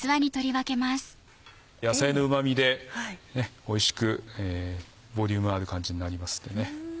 野菜のうま味でおいしくボリュームある感じになりますのでね。